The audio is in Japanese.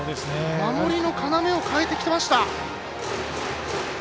守りの要をかえてきました。